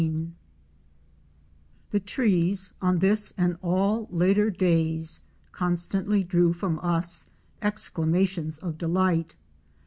301 The trees on this and all later days constantly drew from us exclamations of delight.